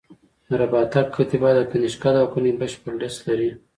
د رباطک کتیبه د کنیشکا د واکمنۍ بشپړه لېست لري